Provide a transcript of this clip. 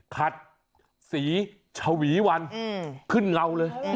ขัดสีชวีวันขึ้นเงาเลย